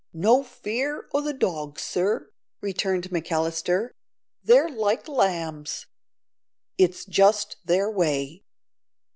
"No fear o' the dogs, sir," returned McAllister; "they're like lambs. It's just their way.